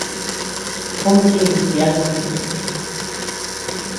Juó chinus yana ñeʼe.